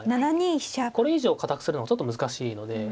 これ以上堅くするのはちょっと難しいので。